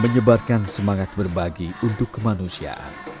menyebarkan semangat berbagi untuk kemanusiaan